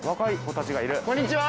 こんにちは。